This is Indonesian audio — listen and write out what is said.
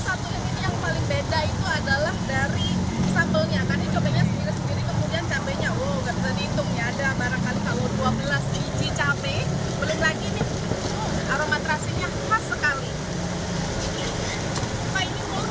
satu ini yang paling beda itu adalah dari sampelnya tadi coba coba sendiri kemudian